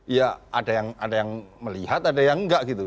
ya ada yang melihat ada yang enggak gitu